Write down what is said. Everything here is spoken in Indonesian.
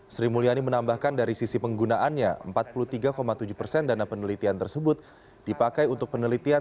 sri mulyani menambahkan dari sisi penggunaannya empat puluh tiga tujuh persen dana penelitian tersebut dipakai untuk penelitian